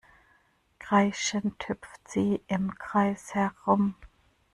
Kreischend hüpft sie im Kreis herum.